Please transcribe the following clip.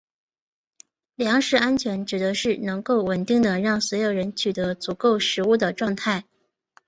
粮食安全指的是能够稳定地让所有人取得足够食物的状态。